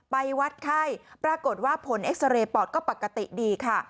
ไปวัดไข้ปรากฏว่าผลเอ็กซาเรย์ปอดก็ปกติดีค่ะ